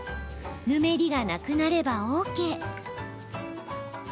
ぬめりがなくなればＯＫ。